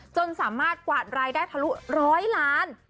จนสามารถกวาดรายได้ทะลุร้อยล้าน